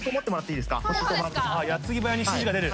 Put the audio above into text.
矢継ぎ早に指示が出る。